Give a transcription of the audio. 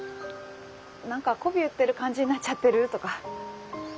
何かこび売ってる感じになっちゃってるとか。